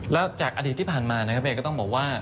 แล้วจากอดีตที่ผ่านมานะครับเองก็ต้องบอกว่า